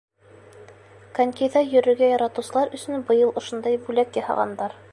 Конькиҙа йөрөргә яратыусылар өсөн быйыл ошондай бүләк яһағандар.